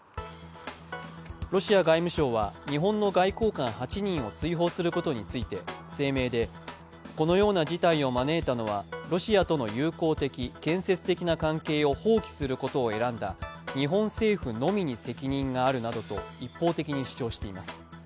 ロシア外務省は日本の外交官８人を追放することについて声明で、このような事態を招いたのはロシアとの友好的、建設的な関係を放棄することを選んだ日本政府のみに責任があるなどと一方的に主張しています。